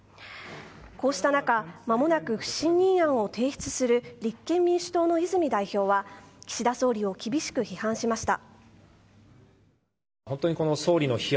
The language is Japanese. こうした中間もなく不信任案を提出する立憲民主党の泉代表は岸田総理を厳しく批判しました。